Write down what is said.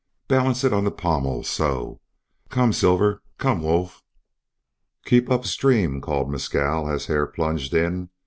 Balance it on the pommel so. Come, Silver; come, Wolf." "Keep up stream," called Mescal as Hare plunged in.